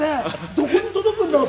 どこに届くんだろう？